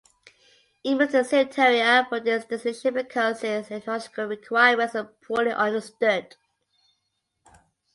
It meets the criteria for this designation because its ecological requirements are poorly understood.